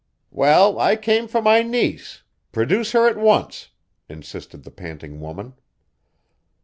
"Well, I came for my niece produce her at once," insisted the panting woman.